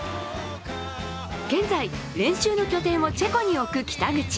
現在、練習の拠点をチェコに置く北口。